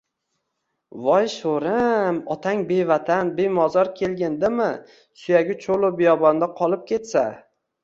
– Voy sho‘ri-im, otang bevatan, bemozor – kelgindimi, suyagi cho‘lu biyobonda qolib ketsa?